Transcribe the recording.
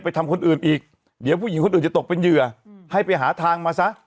ทำคนอื่นอีกเดี๋ยวผู้หญิงคนอื่นจะตกเป็นเหยื่อให้ไปหาทางมาซะ